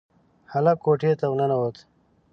هلک کوټې ته ورننوت.